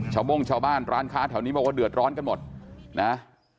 โม่งชาวบ้านร้านค้าแถวนี้บอกว่าเดือดร้อนกันหมดนะ